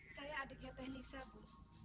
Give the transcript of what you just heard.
saya adiknya tegnisa bu